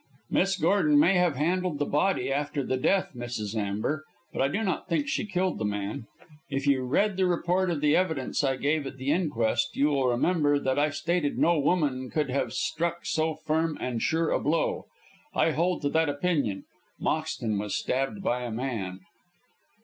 "Miss Gordon may have handled the body after the death, Mrs. Amber, but I do not think she killed the man. If you read the report of the evidence I gave at the inquest you will remember that I stated no woman could have struck so firm and sure a blow. I hold to that opinion. Moxton was stabbed by a man."